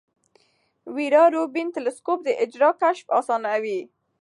ویرا روبین ټیلسکوپ د اجرامو کشف اسانه کوي.